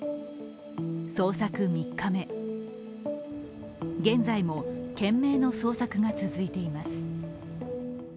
捜索３日目、現在も懸命の捜索が続いています。